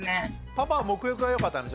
パパはもく浴がよかったんでしょ。